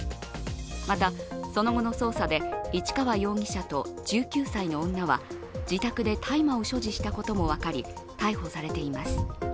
また、その後の捜査で、市川容疑者と１９歳の女は自宅で大麻を所持したことも分かり逮捕されています。